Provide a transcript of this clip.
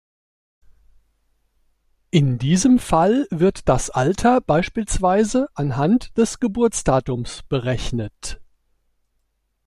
In diesem Fall wird das Alter beispielsweise anhand des Geburtsdatums berechnet.